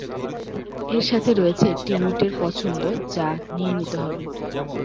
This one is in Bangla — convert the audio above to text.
এর সাথে রয়েছে একটি রুটের পছন্দ যা নির্মিত হবে।